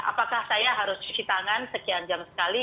apakah saya harus cuci tangan sekian jam sekali